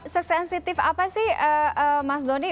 sesensitif apa sih mas doni